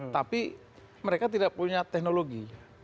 tapi mereka tidak punya teknologi